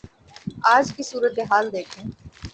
آج کی صورتحال دیکھیں۔